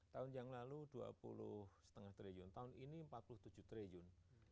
tahun yang lalu dua puluh lima triliun tahun ini rp empat puluh tujuh triliun